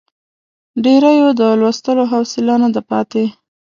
ډېریو د لوستلو حوصله نه ده پاتې.